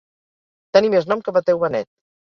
Tenir més nom que Mateu Benet.